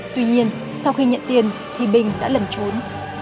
tuy nhiên sau khi nhận tiền thì bình đã lẩn trốn